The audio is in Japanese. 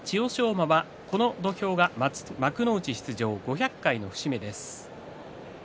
馬はこの土俵が幕内出場５００回の節目です。